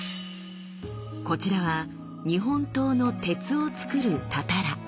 こちらは日本刀の鉄をつくる「たたら」。